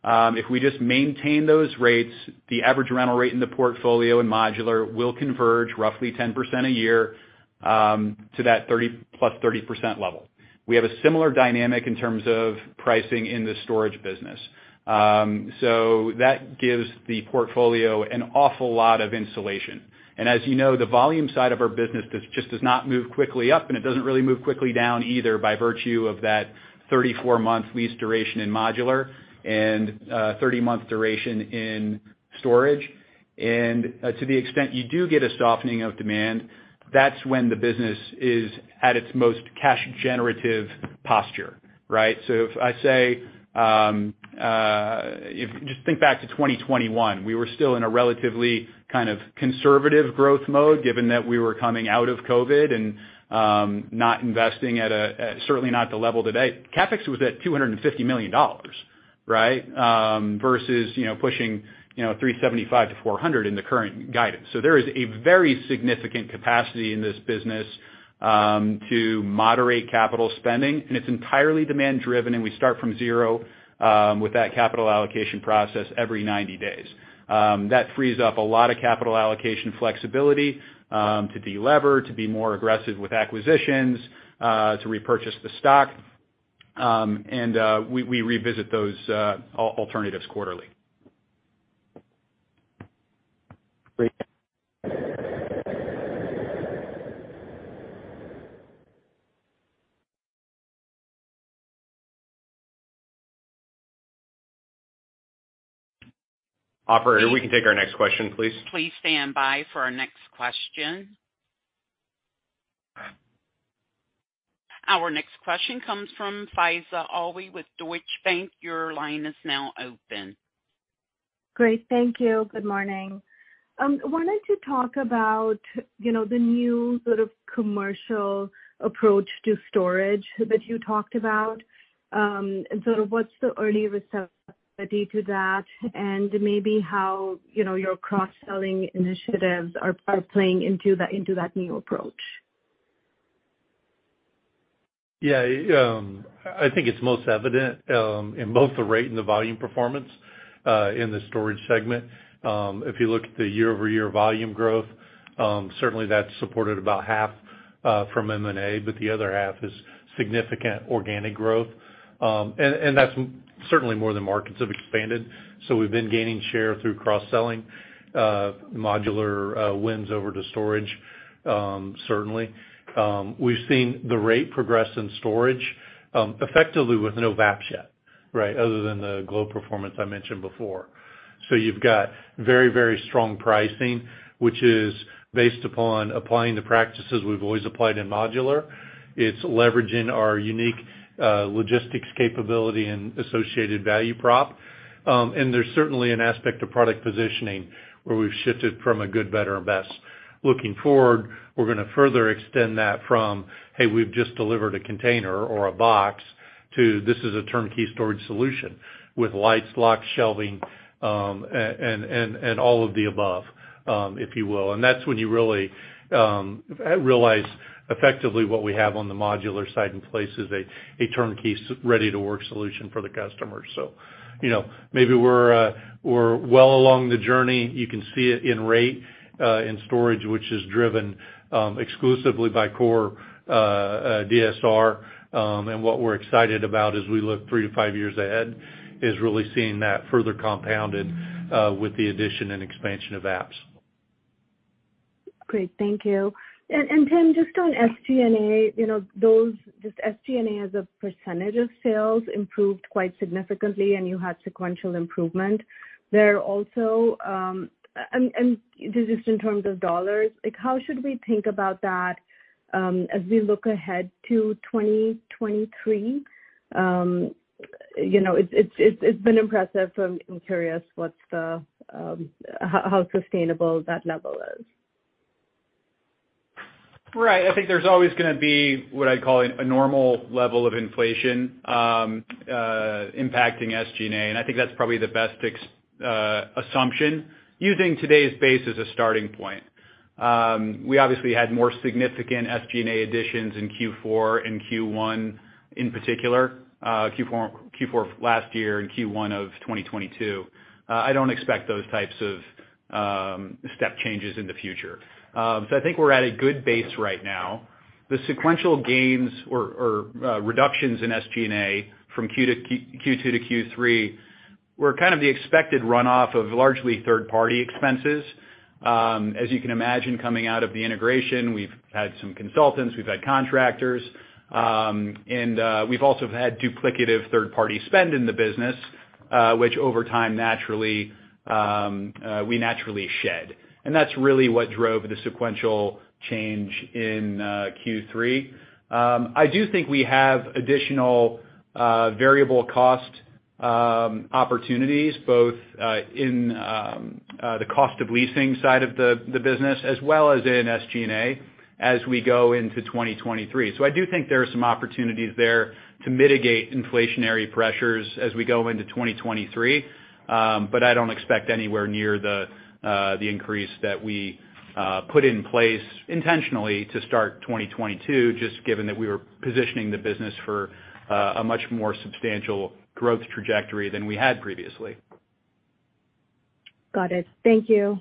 If we just maintain those rates, the average rental rate in the portfolio in modular will converge roughly 10% a year to that 30 plus 30% level. We have a similar dynamic in terms of pricing in the storage business. That gives the portfolio an awful lot of insulation. As you know, the volume side of our business just does not move quickly up, and it doesn't really move quickly down either by virtue of that 34-month lease duration in modular and 30-month duration in storage. To the extent you do get a softening of demand, that's when the business is at its most cash generative posture, right? Just think back to 2021, we were still in a relatively kind of conservative growth mode, given that we were coming out of COVID and not investing at a certainly not the level today. CapEx was at $250 million, right? versus, you know, pushing, you know, $375-$400 in the current guidance. There is a very significant capacity in this business to moderate capital spending, and it's entirely demand driven, and we start from zero with that capital allocation process every 90 days. That frees up a lot of capital allocation flexibility to delever, to be more aggressive with acquisitions, to repurchase the stock, and we revisit those alternatives quarterly. Great. Operator, we can take our next question, please. Please stand by for our next question. Our next question comes from Faiza Alwy with Deutsche Bank. Your line is now open. Great. Thank you. Good morning. Wanted to talk about, you know, the new sort of commercial approach to storage that you talked about, and sort of what's the early receptivity to that, and maybe how, you know, your cross-selling initiatives are playing into that, into that new approach? Yeah. I think it's most evident in both the rate and the volume performance in the storage segment. If you look at the year-over-year volume growth, certainly that's supported about half from M&A, but the other half is significant organic growth. That's certainly more than markets have expanded. We've been gaining share through cross-selling modular wins over to storage, certainly. We've seen the rate progress in storage effectively with no VAPS yet, right? Other than the GLO performance I mentioned before. You've got very, very strong pricing, which is based upon applying the practices we've always applied in modular. It's leveraging our unique logistics capability and associated value prop. There's certainly an aspect to product positioning where we've shifted from a good, better, and best. Looking forward, we're gonna further extend that from, hey, we've just delivered a container or a box to this is a turnkey storage solution with lights, locks, shelving, and all of the above, if you will. That's when you really realize effectively what we have on the modular side and plays a turnkey ready to work solution for the customers. You know, maybe we're well along the journey. You can see it in rates in storage, which is driven exclusively by core DSR. What we're excited about as we look 3-5 years ahead is really seeing that further compounded with the addition and expansion of VAPS. Great. Thank you. Tim, just on SG&A, you know, SG&A as a percentage of sales improved quite significantly, and you had sequential improvement. There are also just in terms of dollars, like, how should we think about that, as we look ahead to 2023? You know, it's been impressive, so I'm curious how sustainable that level is. Right. I think there's always gonna be what I'd call a normal level of inflation, impacting SG&A, and I think that's probably the best assumption using today's base as a starting point. We obviously had more significant SG&A additions in Q4 and Q1 in particular. Q4 last year and Q1 of 2022. I don't expect those types of step changes in the future. I think we're at a good base right now. The sequential gains or reductions in SG&A from Q1 to Q2 to Q3 were kind of the expected runoff of largely third-party expenses. As you can imagine, coming out of the integration, we've had some consultants, we've had contractors, and we've also had duplicative third-party spend in the business, which over time, naturally, we naturally shed. That's really what drove the sequential change in Q3. I do think we have additional variable cost opportunities both in the cost of leasing side of the business as well as in SG&A as we go into 2023. I do think there are some opportunities there to mitigate inflationary pressures as we go into 2023. But I don't expect anywhere near the increase that we put in place intentionally to start 2022, just given that we were positioning the business for a much more substantial growth trajectory than we had previously. Got it. Thank you.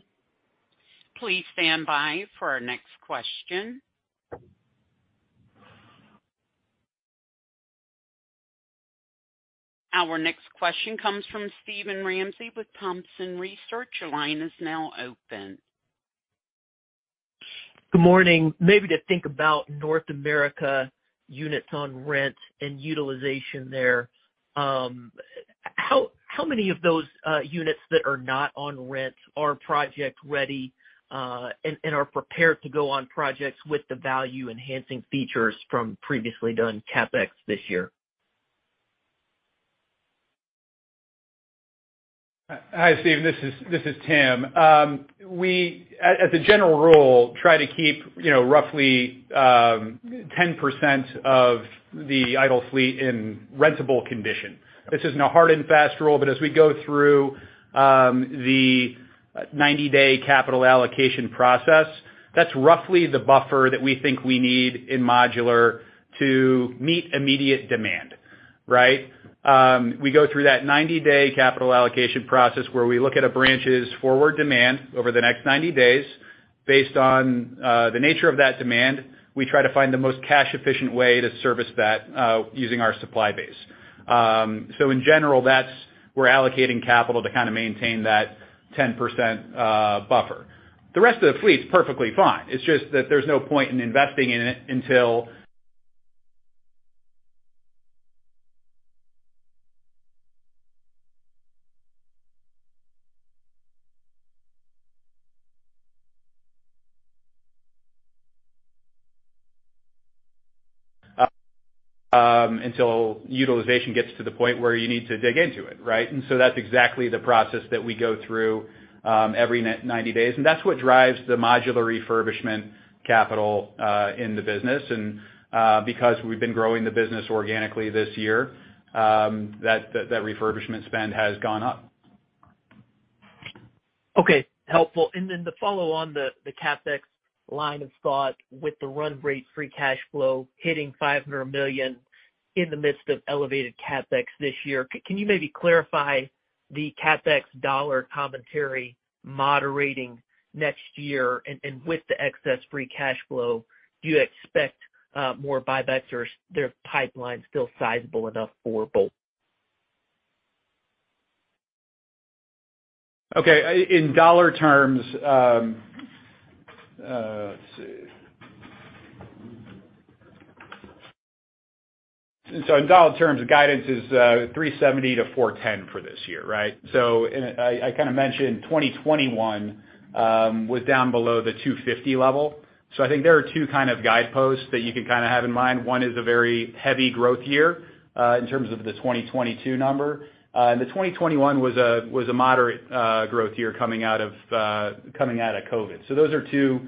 Please stand by for our next question. Our next question comes from Steven Ramsey with Thompson Research Group. Your line is now open. Good morning. Maybe to think about North America units on rent and utilization there. How many of those units that are not on rent are project ready, and are prepared to go on projects with the value enhancing features from previously done CapEx this year? Hi, Steve. This is Tim. We as a general rule try to keep you know roughly 10% of the idle fleet in rentable condition. This isn't a hard and fast rule, but as we go through the 90-day capital allocation process, that's roughly the buffer that we think we need in modular to meet immediate demand, right? We go through that 90-day capital allocation process where we look at a branch's forward demand over the next 90 days. Based on the nature of that demand, we try to find the most cash-efficient way to service that using our supply base. In general, that's where we're allocating capital to kind of maintain that 10% buffer. The rest of the fleet's perfectly fine. It's just that there's no point in investing in it until utilization gets to the point where you need to dig into it, right? That's exactly the process that we go through every ninety days. That's what drives the modular refurbishment capital in the business. Because we've been growing the business organically this year, that refurbishment spend has gone up. Okay. Helpful. To follow on the CapEx line of thought with the run rate free cash flow hitting $500 million in the midst of elevated CapEx this year, can you maybe clarify the CapEx dollar commentary moderating next year? With the excess free cash flow, do you expect more buybacks or is their pipeline still sizable enough for both? Okay. In dollar terms, the guidance is $370 to $410 for this year, right? I kind of mentioned 2021 was down below the 250 level. I think there are two kind of guideposts that you can kind of have in mind. One is a very heavy growth year in terms of the 2022 number. 2021 was a moderate growth year coming out of COVID. Those are two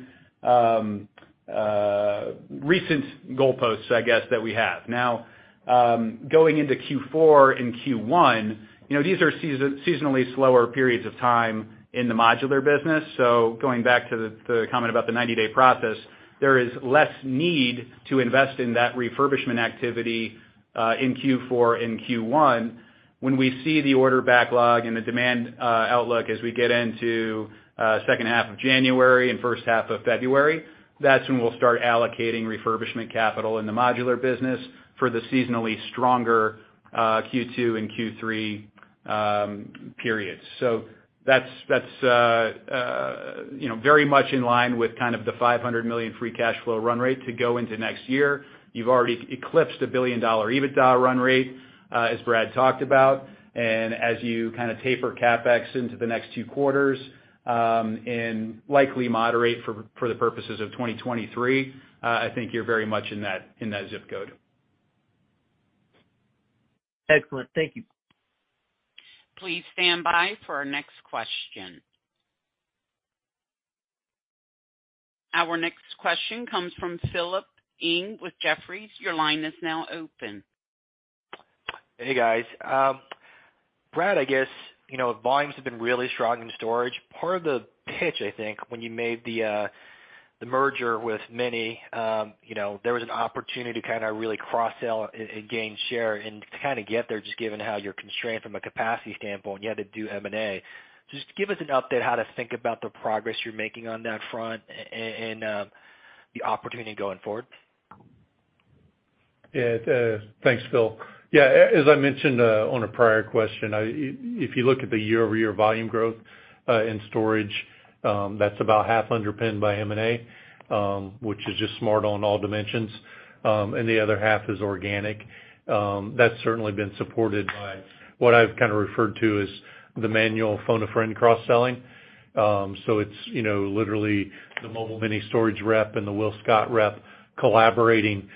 recent goalposts, I guess, that we have. Now, going into Q4 and Q1, you know, these are seasonally slower periods of time in the modular business. Going back to the comment about the 90-day process, there is less need to invest in that refurbishment activity in Q4 and Q1. When we see the order backlog and the demand outlook as we get into second half of January and first half of February, that's when we'll start allocating refurbishment capital in the modular business for the seasonally stronger Q2 and Q3 periods. That's you know very much in line with kind of the $500 million free cash flow run rate to go into next year. You've already eclipsed a billion-dollar EBITDA run rate as Brad talked about. As you kind of taper CapEx into the next two quarters and likely moderate for the purposes of 2023, I think you're very much in that zip code. Excellent. Thank you. Please stand by for our next question. Our next question comes from Philip Ng with Jefferies. Your line is now open. Hey, guys. Brad, I guess, you know, volumes have been really strong in storage. Part of the pitch, I think, when you made the merger with Mini, you know, there was an opportunity to kind of really cross-sell and gain share. To kind of get there, just given how you're constrained from a capacity standpoint, you had to do M&A. Just give us an update how to think about the progress you're making on that front and the opportunity going forward. Yeah. Thanks, Philip. Yeah, as I mentioned, on a prior question, if you look at the year-over-year volume growth, in storage, that's about half underpinned by M&A, which is just smart on all dimensions, and the other half is organic. That's certainly been supported by what I've kind of referred to as the manual phone-a-friend cross-selling. It's, you know, literally the Mobile Mini storage rep and the WillScot rep collaborating,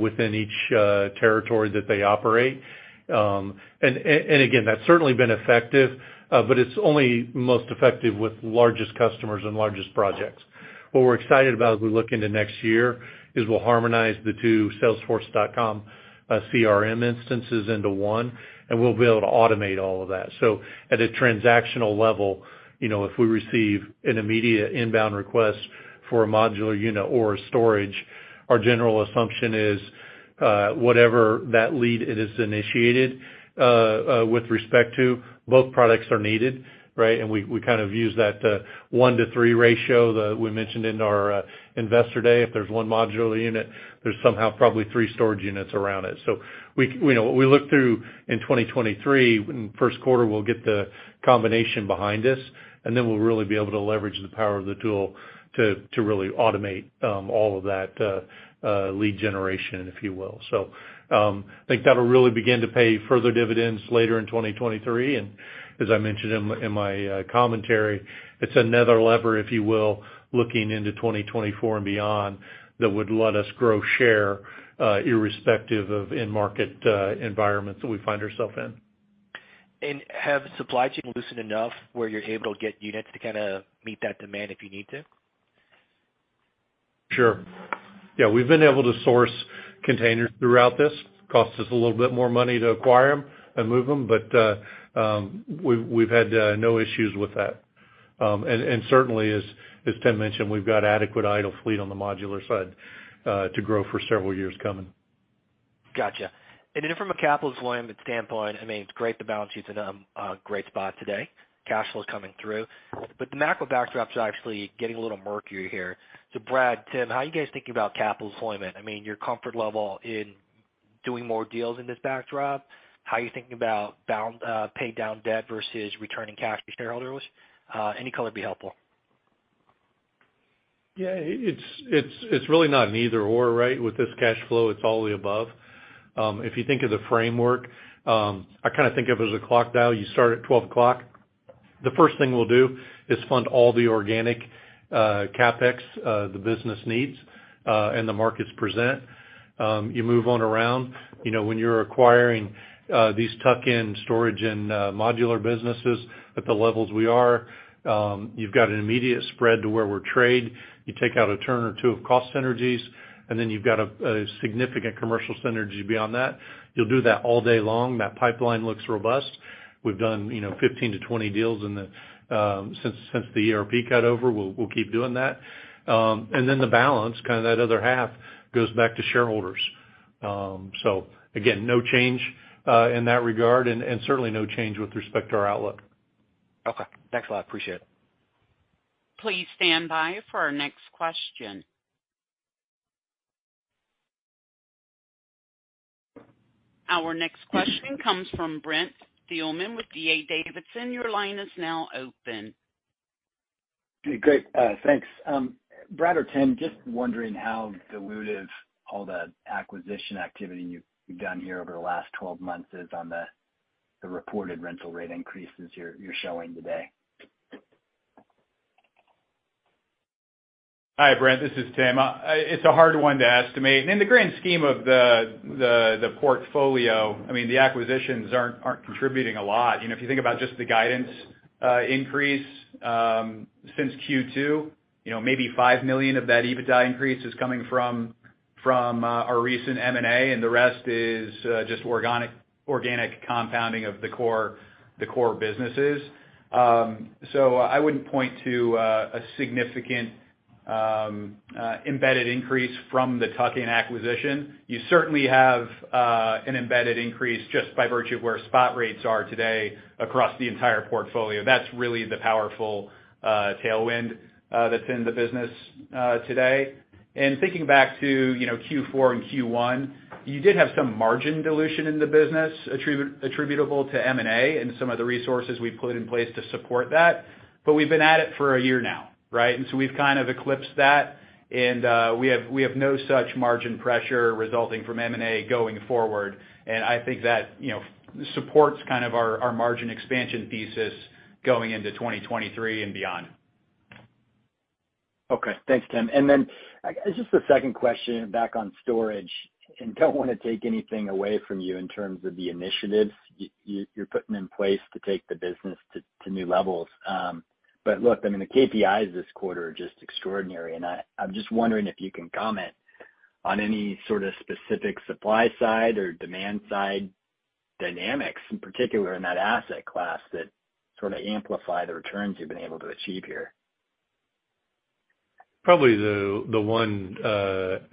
within each territory that they operate. And again, that's certainly been effective, but it's only most effective with largest customers and largest projects. What we're excited about as we look into next year is we'll harmonize the two Salesforce.com CRM instances into one, and we'll be able to automate all of that. At a transactional level, you know, if we receive an immediate inbound request for a modular unit or a storage, our general assumption is, whatever that lead is initiated, with respect to both products are needed, right? We kind of use that one-to-three ratio that we mentioned in our Investor Day. If there's one modular unit, there's somehow probably three storage units around it. We look to 2023, in first quarter, we'll get the combination behind us, and then we'll really be able to leverage the power of the tool to really automate all of that lead generation, if you will. I think that'll really begin to pay further dividends later in 2023. As I mentioned in my commentary, it's another lever, if you will, looking into 2024 and beyond, that would let us grow share irrespective of end market environments that we find ourselves in. Have supply chain loosened enough where you're able to get units to kinda meet that demand if you need to? Sure. Yeah, we've been able to source containers throughout this. Costs us a little bit more money to acquire them and move them, but we've had no issues with that. Certainly as Tim mentioned, we've got adequate idle fleet on the modular side to grow for several years coming. Gotcha. Then from a capital deployment standpoint, I mean, it's great, the balance sheet's in a great spot today. Cash flow's coming through. The macro backdrop's actually getting a little murkier here. Brad, Tim, how are you guys thinking about capital deployment? I mean, your comfort level in doing more deals in this backdrop, how are you thinking about pay down debt versus returning cash to shareholders? Any color would be helpful. Yeah, it's really not an either/or, right? With this cash flow, it's all of the above. If you think of the framework, I kinda think of it as a clock dial. You start at 12 o'clock. The first thing we'll do is fund all the organic CapEx the business needs and the markets present. You move on around. You know, when you're acquiring these tuck-in storage and modular businesses at the levels we are, you've got an immediate spread to where we're trading. You take out a turn or two of cost synergies, and then you've got a significant commercial synergy beyond that. You'll do that all day long. That pipeline looks robust. We've done, you know, 15 to 20 deals since the ERP cut over. We'll keep doing that. The balance, kind of that other half, goes back to shareholders. Again, no change in that regard and certainly no change with respect to our outlook. Okay. Thanks a lot. Appreciate it. Please stand by for our next question. Our next question comes from Brent Thielman with D.A. Davidson. Your line is now open. Great. Thanks. Brad or Tim, just wondering how dilutive all the acquisition activity you've done here over the last 12 months is on the reported rental rate increases you're showing today? Hi, Brent Thielman, this is Tim Boswell. It's a hard one to estimate. In the grand scheme of the portfolio, I mean, the acquisitions aren't contributing a lot. You know, if you think about just the guidance increase since Q2, you know, maybe $5 million of that EBITDA increase is coming from our recent M&A, and the rest is just organic compounding of the core businesses. I wouldn't point to a significant embedded increase from the tuck-in acquisition. You certainly have an embedded increase just by virtue of where spot rates are today across the entire portfolio. That's really the powerful tailwind that's in the business today. Thinking back to, you know, Q4 and Q1, you did have some margin dilution in the business attributable to M&A and some of the resources we put in place to support that, but we've been at it for a year now, right? We've kind of eclipsed that. We have no such margin pressure resulting from M&A going forward. I think that, you know, supports kind of our margin expansion thesis going into 2023 and beyond. Okay. Thanks, Tim. Then just a second question back on storage. Don't want to take anything away from you in terms of the initiatives you're putting in place to take the business to new levels. But look, I mean, the KPIs this quarter are just extraordinary, and I'm just wondering if you can comment on any sort of specific supply side or demand side dynamics, in particular in that asset class that sort of amplify the returns you've been able to achieve here. Probably the one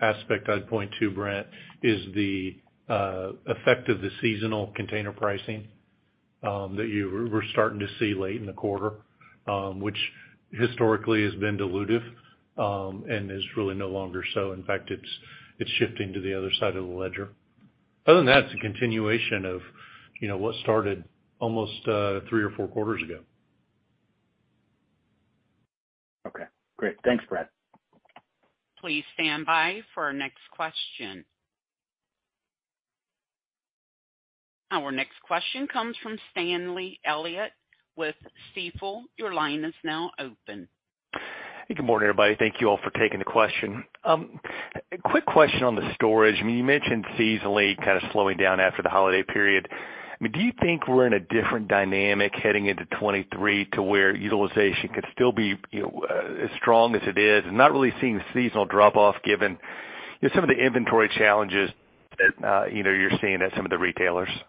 aspect I'd point to, Brent, is the effect of the seasonal container pricing that you were starting to see late in the quarter, which historically has been dilutive and is really no longer so. In fact, it's shifting to the other side of the ledger. Other than that, it's a continuation of, you know, what started almost three or four quarters ago. Okay, great. Thanks, Brad. Please stand by for our next question. Our next question comes from Stanley Elliott with Stifel. Your line is now open. Good morning, everybody. Thank you all for taking the question. A quick question on the storage. I mean, you mentioned seasonally kind of slowing down after the holiday period. I mean, do you think we're in a different dynamic heading into 2023 to where utilization could still be, you know, as strong as it is and not really seeing the seasonal drop-off given, you know, some of the inventory challenges that, you know, you're seeing at some of the retailers? Yeah,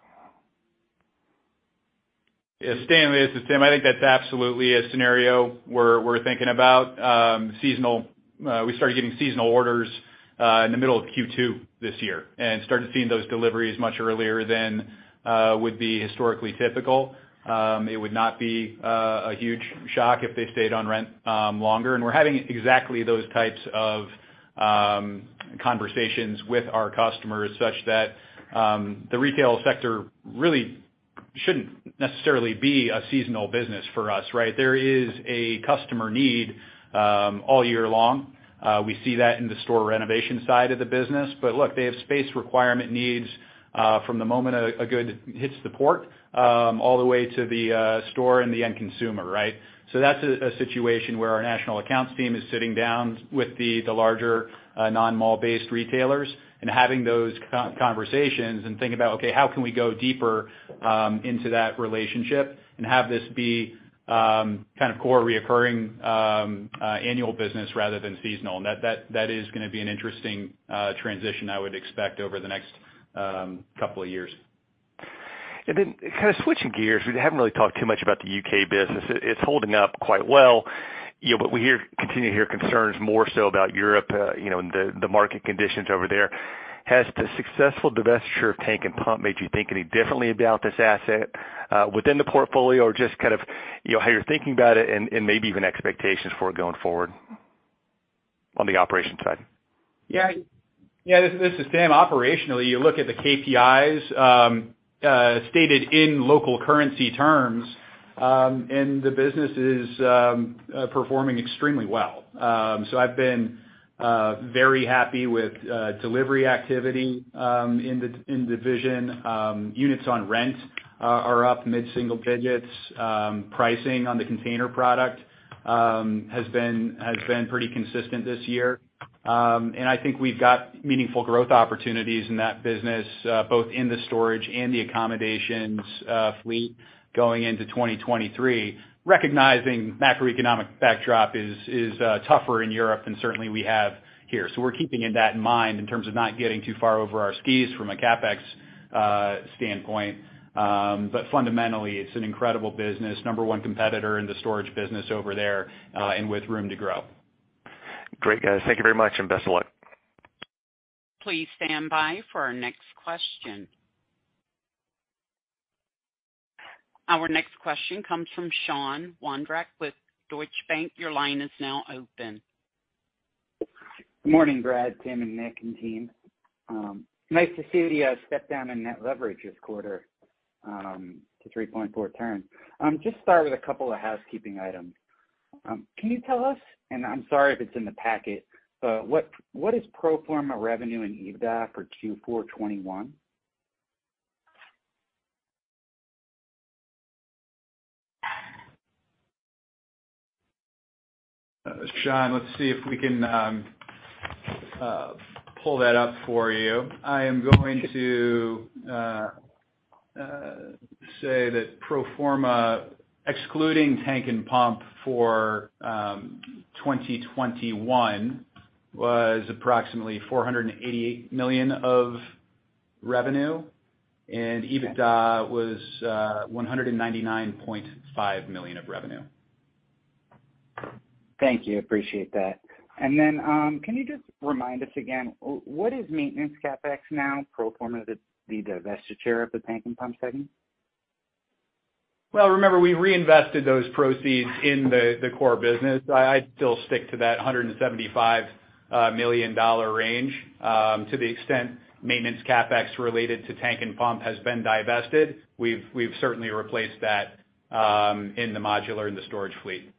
Stanley, this is Tim. I think that's absolutely a scenario we're thinking about. We started getting seasonal orders in the middle of Q2 this year and started seeing those deliveries much earlier than would be historically typical. It would not be a huge shock if they stayed on rent longer. We're having exactly those types of conversations with our customers such that the retail sector really shouldn't necessarily be a seasonal business for us, right? There is a customer need all year long. We see that in the store renovation side of the business. Look, they have space requirement needs from the moment a good hits the port all the way to the store and the end consumer, right? That's a situation where our national accounts team is sitting down with the larger non-mall-based retailers and having those conversations and think about, okay, how can we go deeper into that relationship and have this be kind of core recurring annual business rather than seasonal. That is gonna be an interesting transition I would expect over the next couple of years. kind of switching gears, we haven't really talked too much about the UK business. It's holding up quite well, you know, but we continue to hear concerns more so about Europe, you know, and the market conditions over there. Has the successful divestiture of Tank & Pump made you think any differently about this asset, within the portfolio or just kind of, you know, how you're thinking about it and maybe even expectations for it going forward on the operations side? Yeah. Yeah, this is Tim. Operationally, you look at the KPIs stated in local currency terms, and the business is performing extremely well. I've been very happy with delivery activity in the division. Units on rent are up mid-single digits. Pricing on the container product has been pretty consistent this year. I think we've got meaningful growth opportunities in that business, both in the storage and the accommodations fleet going into 2023, recognizing macroeconomic backdrop is tougher in Europe than certainly we have here. We're keeping that in mind in terms of not getting too far over our skis from a CapEx standpoint. Fundamentally, it's an incredible business. Number one competitor in the storage business over there, and with room to grow. Great. Guys, thank you very much and best of luck. Please stand by for our next question. Our next question comes from Sean Wondrack with Deutsche Bank. Your line is now open. Good morning, Brad, Tim, and Nick and team. Nice to see the step down in net leverage this quarter to 3.4 times. Just start with a couple of housekeeping items. Can you tell us, and I'm sorry if it's in the packet, but what is pro forma revenue and EBITDA for Q4 2021? Sean, let's see if we can pull that up for you. I am going to say that pro forma, excluding Tank & Pump for 2021 was approximately $488 million of revenue, and EBITDA was $199.5 million of revenue. Thank you. Appreciate that. Then, can you just remind us again, what is maintenance CapEx now, pro forma the divestiture of the Tank & Pump segment? Well, remember, we reinvested those proceeds in the core business. I still stick to that $175 million range. To the extent maintenance CapEx related to Tank & Pump has been divested, we've certainly replaced that in the modular and the storage fleet.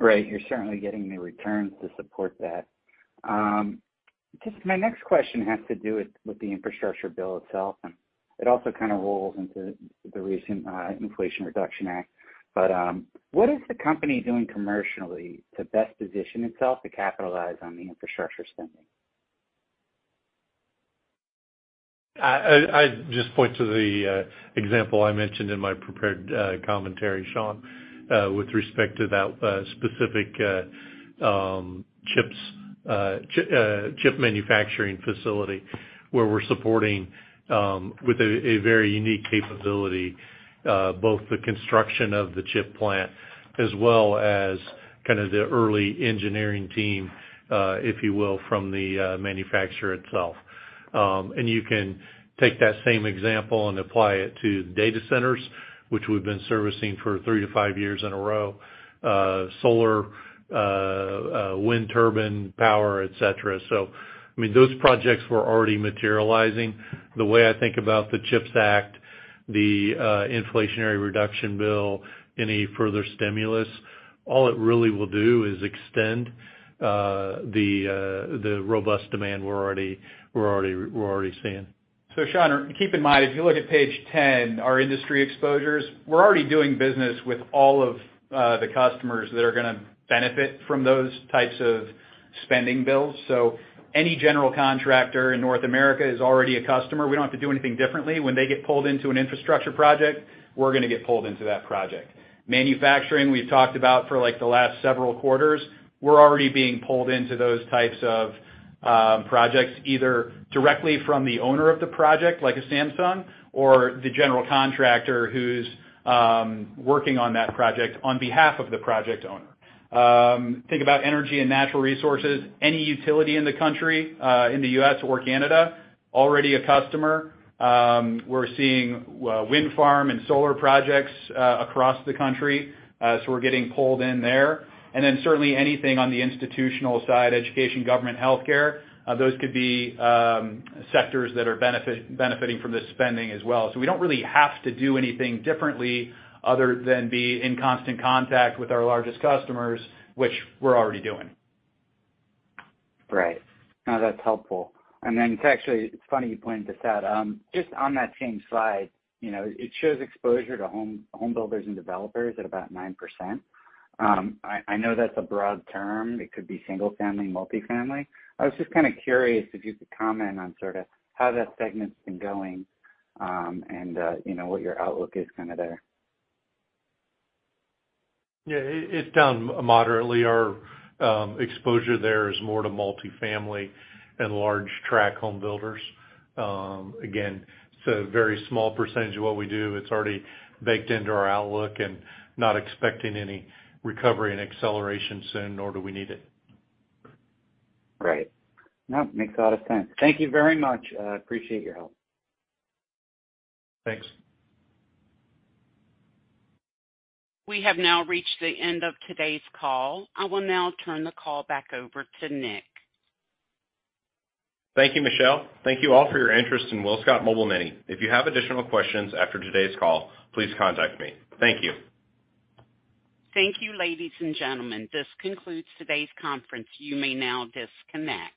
Right. You're certainly getting the returns to support that. Just my next question has to do with the infrastructure bill itself, and it also kind of rolls into the recent Inflation Reduction Act. What is the company doing commercially to best position itself to capitalize on the infrastructure spending? I just point to the example I mentioned in my prepared commentary, Sean, with respect to that specific chip manufacturing facility where we're supporting with a very unique capability both the construction of the chip plant as well as kind of the early engineering team if you will from the manufacturer itself. You can take that same example and apply it to data centers, which we've been servicing for 3-5 years in a row, solar, wind turbine power, et cetera. I mean, those projects were already materializing. The way I think about the CHIPS Act, the Inflation Reduction Act, any further stimulus, all it really will do is extend the robust demand we're already seeing. Sean, keep in mind, if you look at page 10, our industry exposures, we're already doing business with all of the customers that are gonna benefit from those types of spending bills. Any general contractor in North America is already a customer. We don't have to do anything differently. When they get pulled into an infrastructure project, we're gonna get pulled into that project. Manufacturing, we've talked about for, like, the last several quarters. We're already being pulled into those types of projects, either directly from the owner of the project, like a Samsung or the general contractor who's working on that project on behalf of the project owner. Think about energy and natural resources. Any utility in the country, in the U.S. or Canada, already a customer. We're seeing wind farm and solar projects across the country. We're getting pulled in there. Then certainly anything on the institutional side, education, government, healthcare, those could be sectors that are benefiting from this spending as well. We don't really have to do anything differently other than be in constant contact with our largest customers, which we're already doing. Right. No, that's helpful. Then it's actually, it's funny you pointed this out. Just on that same slide, you know, it shows exposure to home builders and developers at about 9%. I know that's a broad term. It could be single family, multifamily. I was just kinda curious if you could comment on sorta how that segment's been going, and you know, what your outlook is kinda there. Yeah, it's down moderately. Our exposure there is more to multifamily and large tract home builders. Again, it's a very small percentage of what we do. It's already baked into our outlook and not expecting any recovery and acceleration soon, nor do we need it. Right. No, makes a lot of sense. Thank you very much. Appreciate your help. Thanks. We have now reached the end of today's call. I will now turn the call back over to Nick. Thank you, Michelle. Thank you all for your interest in WillScot Mobile Mini. If you have additional questions after today's call, please contact me. Thank you. Thank you, ladies and gentlemen. This concludes today's conference. You may now disconnect.